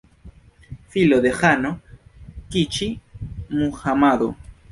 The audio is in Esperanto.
Filo de ĥano Kiĉi-Muhamado.